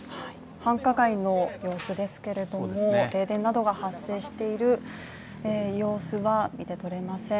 繁華街の様子ですけれども、停電などが発生している様子は見て取れません。